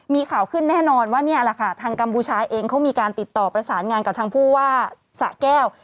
มีข่าวขึ้นแน่นอนว่านี่แหละค่ะทางกัมพูชาเองเขามีการติดต่อประสานงานกับทางผู้ว่าสะแก้ว